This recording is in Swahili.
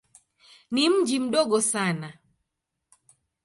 Ni mji mdogo sana.